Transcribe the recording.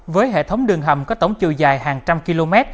với hệ thống đường hầm có tổng chiều dài hàng trăm km